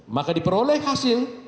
maka diperoleh hasil